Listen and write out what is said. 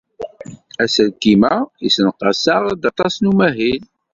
Aselkim-a yessenqas-aɣ-d aṭas umahil.